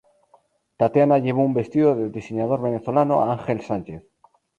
Tatiana llevó un vestido del diseñador venezolano Angel Sánchez.